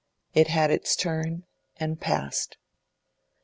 It had its turn, and passed.